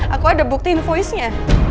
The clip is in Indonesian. aku ada bukti invoice nya